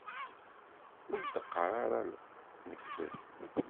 Ur d-qqar ara d lekdeb!